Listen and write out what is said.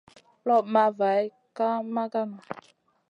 Loɓ ma vayd ka maganou.